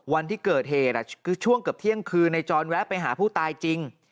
วันที่เกิดเหตุคือช่วงเกือบเที่ยงคืนในจรแวะไปหาผู้ตายจริง